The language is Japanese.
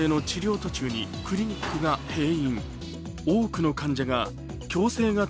途中にクリニックが閉院。